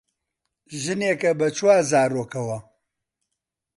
ژنێکە بە چوار زارۆکەوە